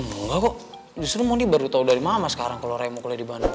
enggak kok justru moni baru tau dari mama sekarang kalau raya mau kuliah di bandung